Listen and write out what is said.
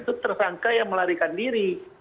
itu tersangka yang melarikan diri